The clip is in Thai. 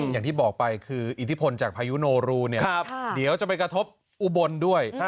อย่างที่บอกไปคืออิทธิพลจากพายุโนรูเนี่ยเดี๋ยวจะไปกระทบอุบลด้วย